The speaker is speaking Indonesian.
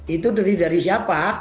itu dari siapa